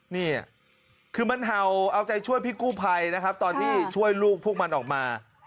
นี่คือมันเห่าเอาใจช่วยพี่กู้ภัยนะครับตอนที่ช่วยลูกพวกมันออกมา